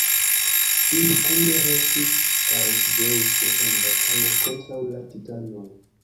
Ili kune helpis al Zeŭso en batalo kontraŭ la titanoj.